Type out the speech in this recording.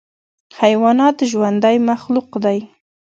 حیوانات ژوندی مخلوق دی.